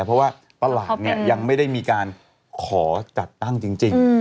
เพราะว่าตลาดภาพที่นี้ยังไม่ได้มีการขอกระตั่งจริง